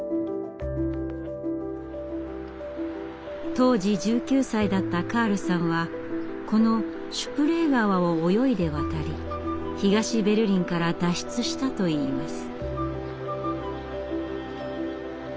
当時１９歳だったカールさんはこのシュプレー川を泳いで渡り東ベルリンから脱出したといいます。